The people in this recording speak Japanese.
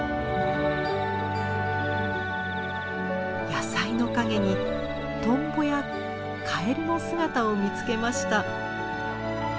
野菜の陰にトンボやカエルの姿を見つけました。